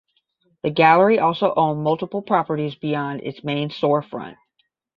The gallery also owned multiple properties beyond its main storefront.